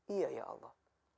iya ya allah